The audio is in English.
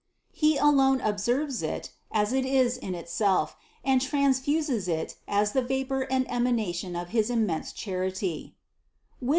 He alone observes it as it is in itself, and transfuses it as the vapor and emanation of his immense charity (Wis.